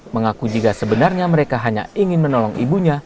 mengaku jika sebenarnya mereka hanya ingin menolong ibunya